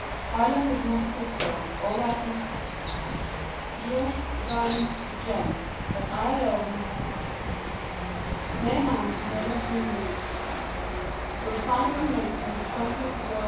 Island of Monte Cristo, all I poss... jewels, diamonds, gems; that I alone... may amount to nearly two mil... will find on raising the twentieth ro...